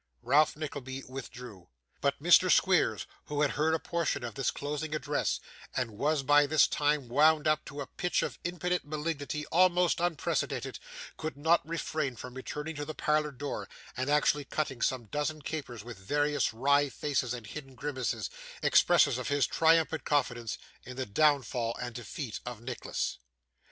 Ralph Nickleby withdrew. But Mr. Squeers, who had heard a portion of this closing address, and was by this time wound up to a pitch of impotent malignity almost unprecedented, could not refrain from returning to the parlour door, and actually cutting some dozen capers with various wry faces and hideous grimaces, expressive of his triumphant confidence in the downfall and defeat of Nicholas.